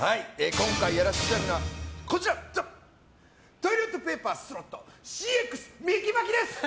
今回やらせていただくのはトイレットペーパースロットＣＸミキ・マキです。